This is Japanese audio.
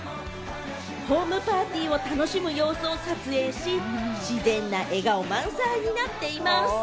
ホームパーティーを楽しむ様子を撮影し、自然な笑顔満載になっています。